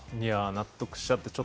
納得しちゃって。